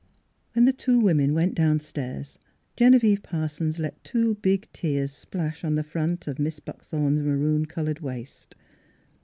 When the two women went downstairs Genevieve Parsons let two big tears splash on the front of Mrs. Buckthorn's maroon coloured waist.